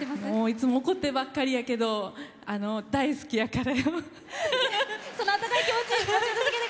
いつも怒ってばっかりやけど大好きやから。